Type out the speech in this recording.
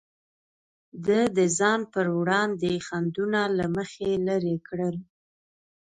ده د ځان پر وړاندې خنډونه له مخې لرې کړل.